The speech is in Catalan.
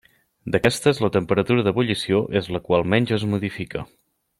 D'aquestes, la temperatura d'ebullició és la qual menys es modifica.